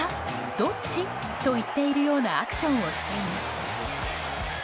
どっち？と言っているようなアクションをしています。